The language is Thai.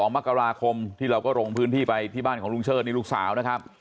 มกราคมที่เราก็ลงพื้นที่ไปที่บ้านของลุงเชิดนี่ลูกสาวนะครับ